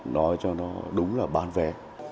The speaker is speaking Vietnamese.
nói cho nó đúng là bán vé